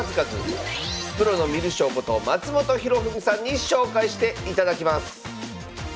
プロの観る将こと松本博文さんに紹介していただきます